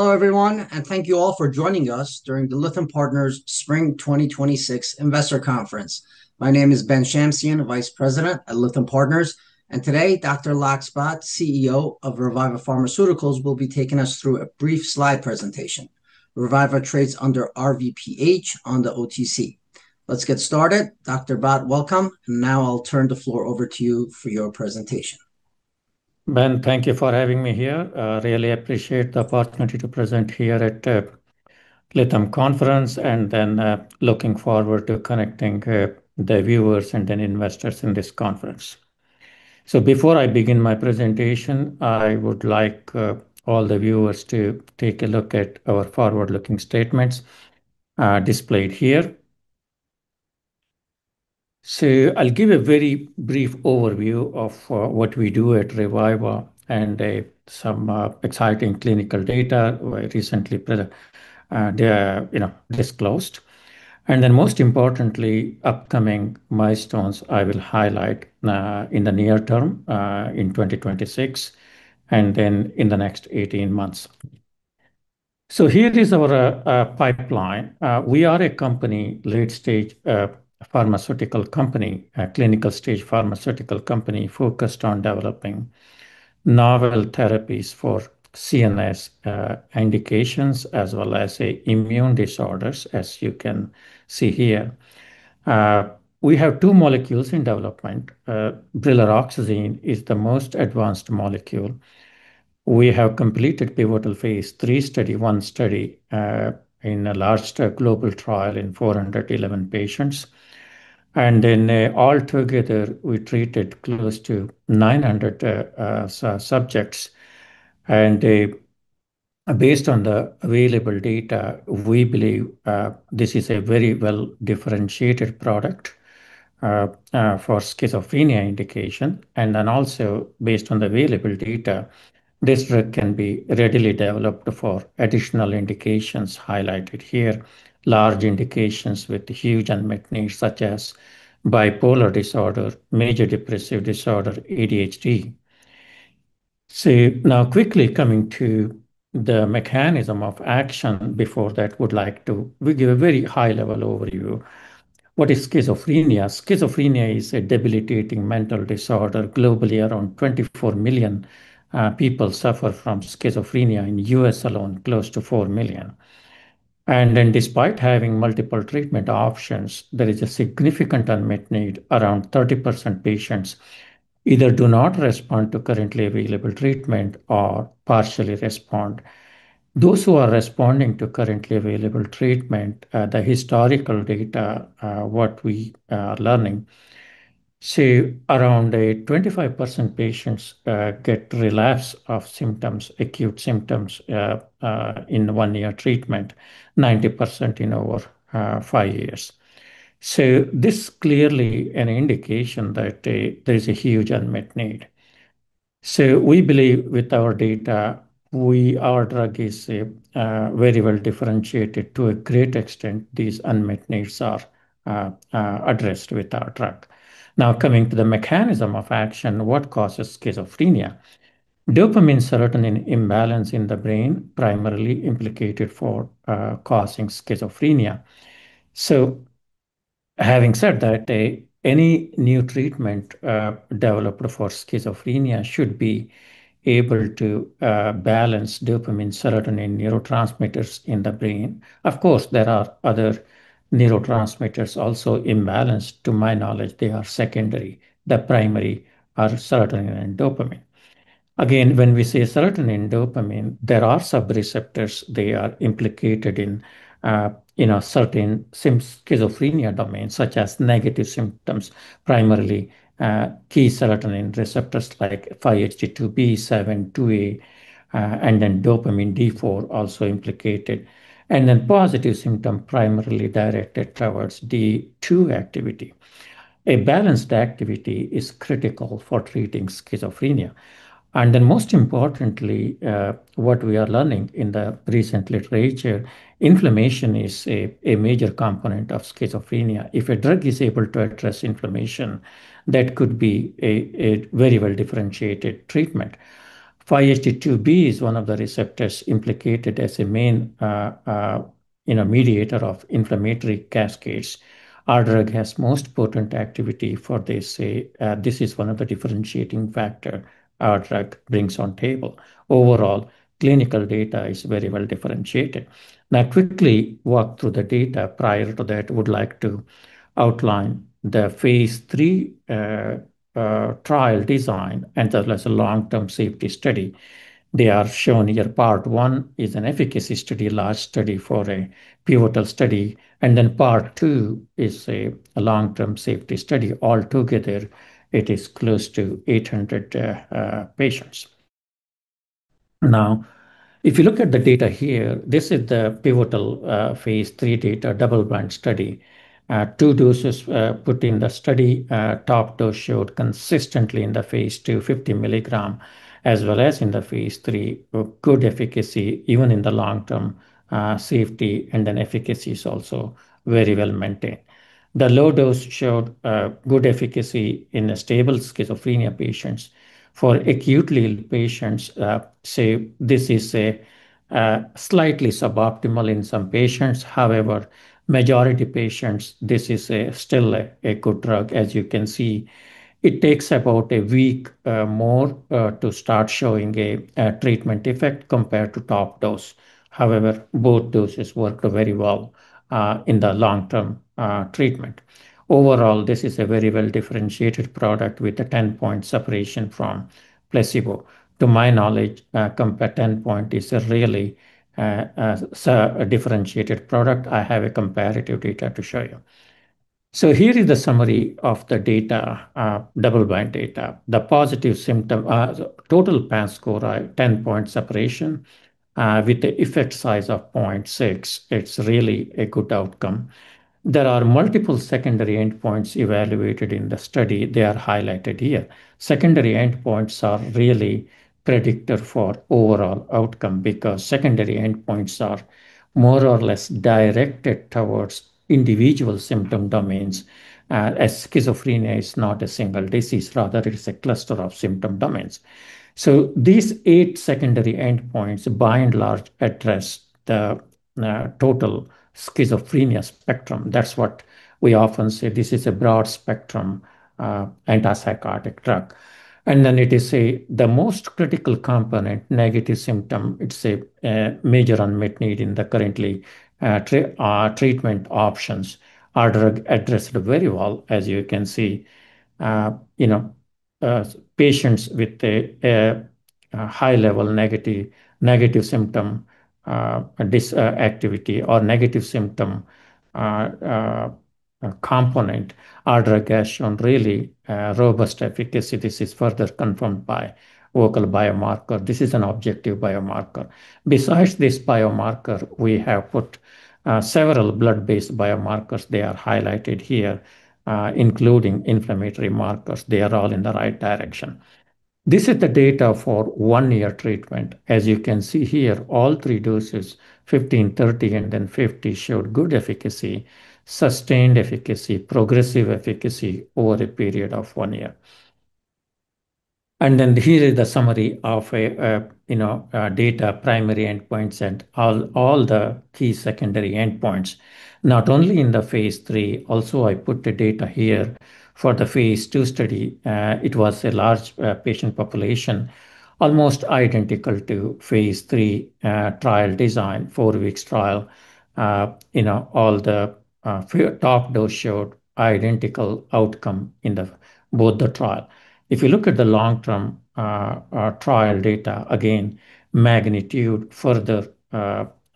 Hello, everyone, and thank you all for joining us during the Lytham Partners Spring 2026 Investor Conference. My name is Ben Shamsian, Vice President at Lytham Partners. Today, Dr. Lax Bhat, CEO of Reviva Pharmaceuticals, will be taking us through a brief slide presentation. Reviva trades under RVPH on the OTC. Let's get started. Dr. Bhat, welcome. Now I'll turn the floor over to you for your presentation. Ben, thank you for having me here. Really appreciate the opportunity to present here at Lytham Conference, and then looking forward to connecting the viewers and then investors in this conference. Before I begin my presentation, I would like all the viewers to take a look at our forward-looking statements displayed here. I'll give a very brief overview of what we do at Reviva and some exciting clinical data we recently disclosed. Most importantly, upcoming milestones I will highlight in the near term, in 2026, and then in the next 18 months. Here is our pipeline. We are a late-stage pharmaceutical company, a clinical-stage pharmaceutical company focused on developing novel therapies for CNS indications as well as immune disorders, as you can see here. We have two molecules in development. Brilaroxazine is the most advanced molecule. We have completed pivotal phase III study, one study in a large global trial in 411 patients. In all together, we treated close to 900 subjects. Based on the available data, we believe this is a very well-differentiated product for schizophrenia indication. Also based on the available data, this drug can be readily developed for additional indications highlighted here, large indications with huge unmet needs such as bipolar disorder, major depressive disorder, ADHD. Now quickly coming to the mechanism of action. Before that, would like to give a very high-level overview. What is schizophrenia? Schizophrenia is a debilitating mental disorder. Globally, around 24 million people suffer from schizophrenia. In U.S. alone, close to 4 million. Despite having multiple treatment options, there is a significant unmet need. Around 30% patients either do not respond to currently available treatment or partially respond. Those who are responding to currently available treatment, the historical data, what we are learning, so around 25% patients get relapse of symptoms, acute symptoms in one year treatment, 90% in over five years. This clearly an indication that there is a huge unmet need. We believe with our data, our drug is very well differentiated to a great extent these unmet needs are addressed with our drug. Now, coming to the mechanism of action, what causes schizophrenia? Dopamine-serotonin imbalance in the brain primarily implicated for causing schizophrenia. Having said that, any new treatment developed for schizophrenia should be able to balance dopamine, serotonin neurotransmitters in the brain. Of course, there are other neurotransmitters also imbalanced. To my knowledge, they are secondary. The primary are serotonin and dopamine. Again, when we say serotonin, dopamine, there are some receptors they are implicated in certain schizophrenia domains, such as negative symptoms, primarily key serotonin receptors like 5-HT2B, 5-HT7, 5-HT2A. Dopamine D4 also implicated. Positive symptom primarily directed towards D2 activity. A balanced activity is critical for treating schizophrenia. Most importantly, what we are learning in the recent literature, inflammation is a major component of schizophrenia. If a drug is able to address inflammation, that could be a very well-differentiated treatment. 5-HT2B is one of the receptors implicated as a main mediator of inflammatory cascades. Our drug has most potent activity for this. This is one of the differentiating factor our drug brings on table. Overall, clinical data is very well differentiated. Now quickly walk through the data. Prior to that, would like to outline the phase III trial design, and that's a long-term safety study. They are shown here. Part one is an efficacy study, large study for a pivotal study, and then part two is a long-term safety study. Altogether, it is close to 800 patients. If you look at the data here, this is the pivotal phase III data double-blind study. Two doses put in the study. Top dose showed consistently in the phase II, 50 mg, as well as in the phase III, good efficacy even in the long-term safety, and then efficacy is also very well maintained. The low dose showed good efficacy in stable schizophrenia patients. For acutely ill patients, this is slightly suboptimal in some patients. Majority patients, this is still a good drug. As you can see, it takes about a week more to start showing a treatment effect compared to top dose. Both doses work very well in the long-term treatment. Overall, this is a very well-differentiated product with a 10-point separation from placebo. To my knowledge, competitor endpoint is really a differentiated product. I have a comparative data to show you. Here is the summary of the double-blind data. The positive symptom, total PANSS score, 10-point separation with the effect size of 0.6, it is really a good outcome. There are multiple secondary endpoints evaluated in the study. They are highlighted here. Secondary endpoints are really predictor for overall outcome because secondary endpoints are more or less directed towards individual symptom domains. Schizophrenia is not a single disease, rather it is a cluster of symptom domains. These eight secondary endpoints by and large address the total schizophrenia spectrum. That's what we often say. This is a broad-spectrum antipsychotic drug. It is the most critical component, negative symptom. It's a major unmet need in the currently treatment options are addressed very well, as you can see. Patients with a high level negative symptom, [disactivity or negative symptom component, our drug has shown really robust efficacy. This is further confirmed by vocal biomarker. This is an objective biomarker. Besides this biomarker, we have put several blood-based biomarkers. They are highlighted here, including inflammatory markers. They are all in the right direction. This is the data for one-year treatment. As you can see here, all three doses, 15 mg, 30 mg and then 50 mg, showed good efficacy, sustained efficacy, progressive efficacy over a period of one year. Here is the summary of data, primary endpoints, and all the key secondary endpoints, not only in the phase III, also, I put the data here for the phase II study. It was a large patient population, almost identical to phase III trial design, four weeks trial. All the top dose showed identical outcome in both the trial. If you look at the long-term trial data, again, magnitude further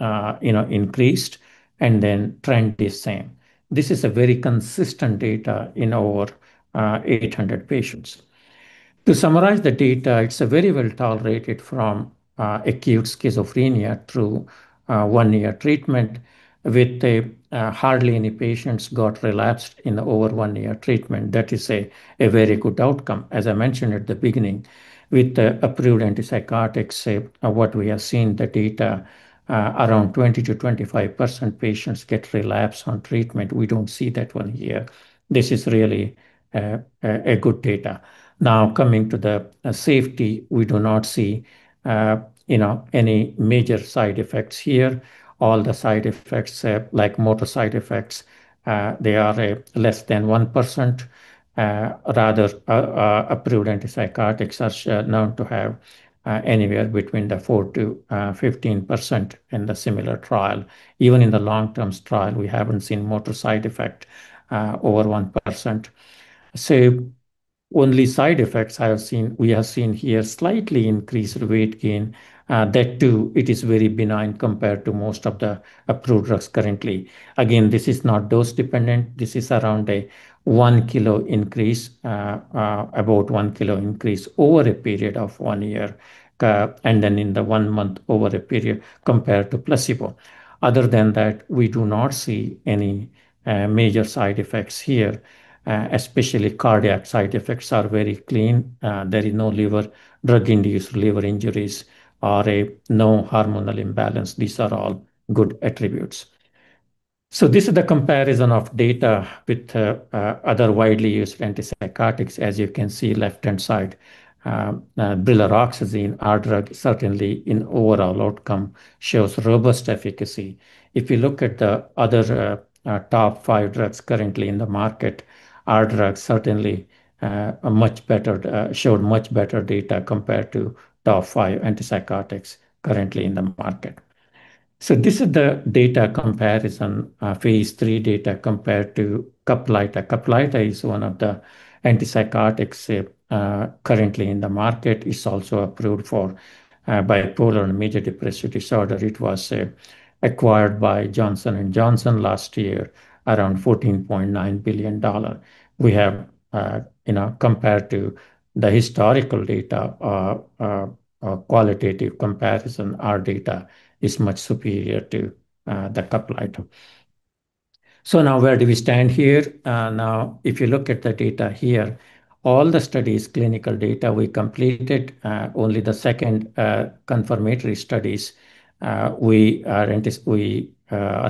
increased and then trend is same. This is a very consistent data in over 800 patients. To summarize the data, it's very well tolerated from acute schizophrenia through one-year treatment with hardly any patients got relapsed in over one year treatment. That is a very good outcome. As I mentioned at the beginning, with the approved antipsychotics, what we have seen the data around 20%-25% patients get relapse on treatment. We don't see that one here. This is really a good data. Now, coming to the safety, we do not see any major side effects here. All the side effects, like motor side effects, they are less than 1%. Rather, approved antipsychotics are known to have anywhere between the 4%-15% in the similar trial. Even in the long-term trial, we haven't seen motor side effect over 1%. Only side effects we have seen here slightly increased weight gain. That, too, it is very benign compared to most of the approved drugs currently. Again, this is not dose dependent. This is around a 1 kg increase, about 1 kg increase over a period of one year, and then in the one month over a period compared to placebo. Other than that, we do not see any major side effects here, especially cardiac side effects are very clean. There is no liver, drug-induced liver injuries, or no hormonal imbalance. These are all good attributes. This is the comparison of data with other widely used antipsychotics. As you can see, left-hand side, brexpiprazole, our drug certainly in overall outcome shows robust efficacy. If you look at the other top five drugs currently in the market, our drug certainly showed much better data compared to top five antipsychotics currently in the market. This is the data comparison, phase III data compared to CAPLYTA. CAPLYTA is one of the antipsychotics currently in the market. It's also approved for bipolar and major depressive disorder. It was acquired by Johnson & Johnson last year, around $14.9 billion. We have compared to the historical data, qualitative comparison, our data is much superior to the CAPLYTA. Now where do we stand here? If you look at the data here, all the studies, clinical data, we completed. Only the second confirmatory studies we are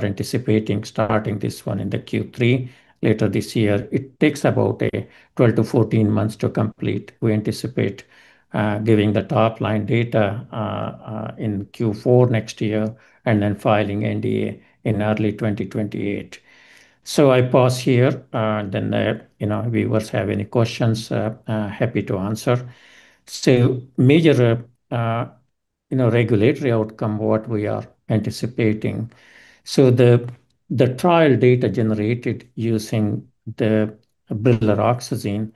anticipating starting this one in the Q3 later this year. It takes about 12-14 months to complete. We anticipate giving the top-line data in Q4 next year and filing NDA in early 2028. I pause here, if viewers have any questions, I am happy to answer. The major regulatory outcome is what we are anticipating. The trial data generated using the brilaroxazine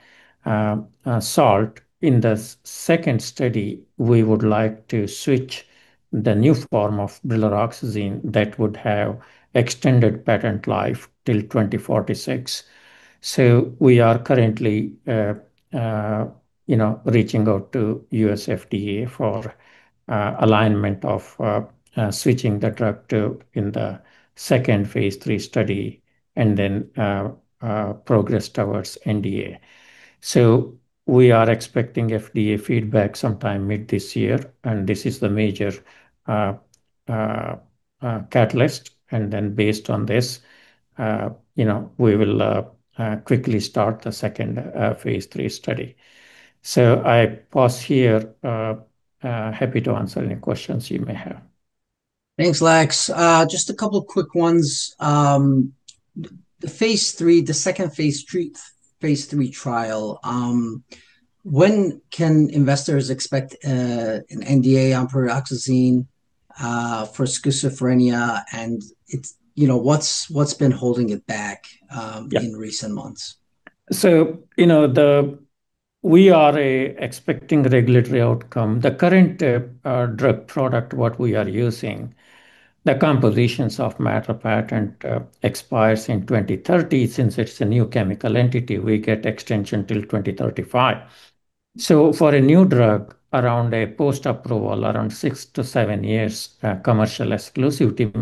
salt. In the second study, we would like to switch the new form of brilaroxazine that would have extended patent life till 2046. We are currently reaching out to U.S. FDA for alignment of switching the drug to be in the second phase III study and progress towards NDA. We are expecting FDA feedback sometime mid this year, and this is the major catalyst. Based on this, we will quickly start the second phase III study. I pause here. Happy to answer any questions you may have. Thanks, Lax. Just a couple of quick ones. The second phase III trial, when can investors expect an NDA on brilaroxazine for schizophrenia, and what's been holding it back in recent months? We are expecting regulatory outcome. The current drug product, what we are using, the composition of matter patent expires in 2030. Since it's a new chemical entity, we get extension till 2035. For a new drug around a post-approval, around six to seven years commercial exclusivity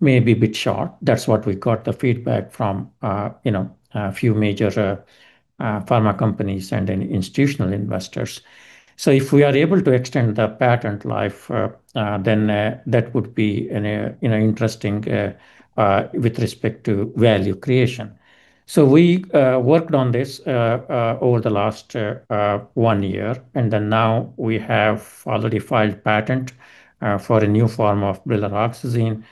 may be a bit short. That's what we got the feedback from a few major pharma companies and institutional investors. If we are able to extend the patent life, then that would be interesting with respect to value creation. We worked on this over the last one year, and then now we have already filed patent for a new form of brilaroxazine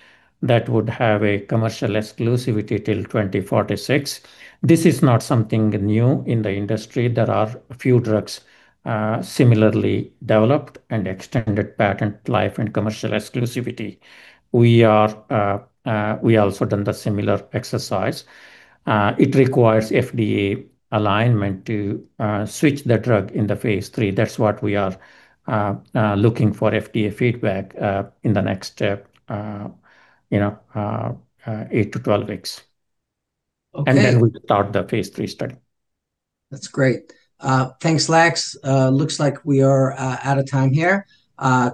that would have a commercial exclusivity till 2046. This is not something new in the industry. There are a few drugs similarly developed and extended patent life and commercial exclusivity. We also done the similar exercise. It requires FDA alignment to switch the drug in the phase III. That's what we are looking for FDA feedback in the next 8 to 12 weeks. Okay. We start the phase III study. That's great. Thanks, Lax. Looks like we are out of time here.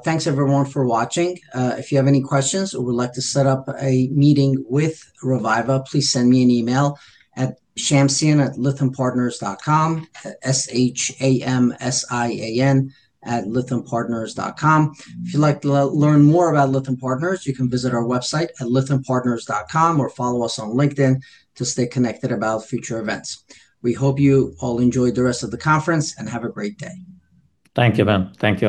Thanks everyone for watching. If you have any questions or would like to set up a meeting with Reviva, please send me an email at shamsian@lythampartners.com. S-H-A-M-S-I-A-N at lythampartners.com. If you'd like to learn more about Lytham Partners, you can visit our website at lythampartners.com or follow us on LinkedIn to stay connected about future events. We hope you all enjoy the rest of the conference, and have a great day. Thank you, Ben. Thank you.